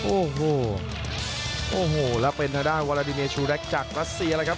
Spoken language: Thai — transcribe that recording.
โอ้โหโอ้โหแล้วเป็นทางด้านวาลาดิเนชูแด็กจากรัสเซียแล้วครับ